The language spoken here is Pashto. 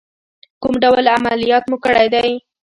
کوم ډول عملیات مو کړی دی؟